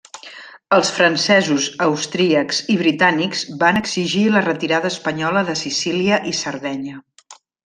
Els francesos, austríacs i britànics van exigir la retirada espanyola de Sicília i Sardenya.